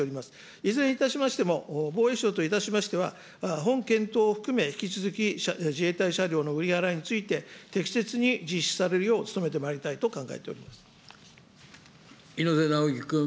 いずれにいたしましても、防衛省といたしましては、本検討を含め、引き続き自衛隊車両の売り払いについて、適切に実施されるよう努猪瀬直樹君。